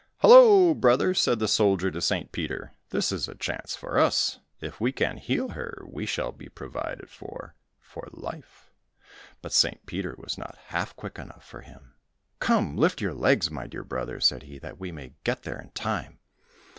"Hollo, brother!" said the soldier to St. Peter, "this is a chance for us; if we can heal her we shall be provided for, for life!" But St. Peter was not half quick enough for him, "Come, lift your legs, my dear brother," said he, "that we may get there in time."